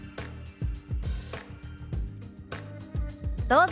どうぞ。